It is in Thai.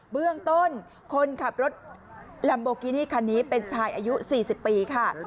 เบื้องต้นคนขับรถลัมโบกินี่คันนี้เป็นชายอายุ๔๐ปีค่ะ